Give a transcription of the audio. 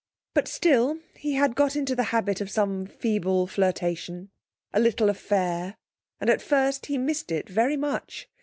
But still he had got into the habit of some feeble flirtation, a little affair, and at first he missed it very much.